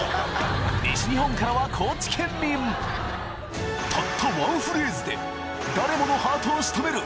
西日本からはたったワンフレーズで誰ものハートを仕留める！